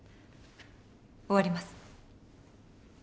終わります。